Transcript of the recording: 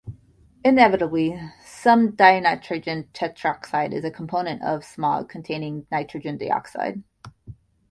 Inevitably, some dinitrogen tetroxide is a component of smog containing nitrogen dioxide.